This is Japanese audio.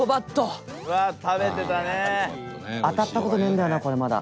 北山：当たった事ねえんだよなこれ、まだ。